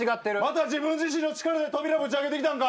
また自分自身の力で扉ぶち開けてきたんか？